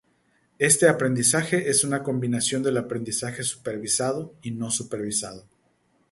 Este aprendizaje es una combinación del aprendizaje supervisado y no supervisado.